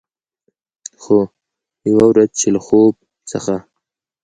خو، یوه ورځ چې له خوب څخه